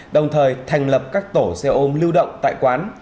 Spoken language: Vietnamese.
đồng thời thành lập các tổ xe ôm lưu động tại quán